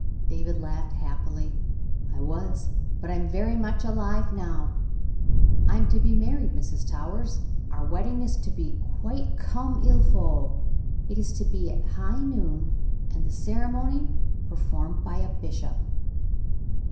David laughed happily. "I was, but I am very much alive now. I am to be married, Mrs. Towers ; our wed ding is to be quite comme il faut. It is to be at high noon, and the ceremony performed by a bishop."